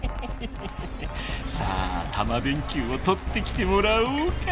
さあタマ電Ｑをとってきてもらおうか。